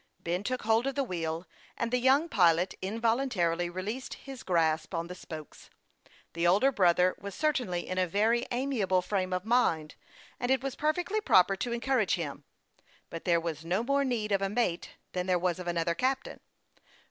Ben took hold of the wheel, and the young pilot involuntarily released his grasp on the spokes. The older brother was certainly in a very amiable frame of mind, and it was perfectly proper to encourage him ; but there was no more need of a mate than there was of another captain.